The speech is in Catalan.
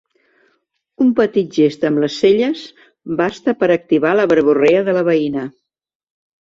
Un petit gest amb les celles basta per activar la verborrea de la veïna.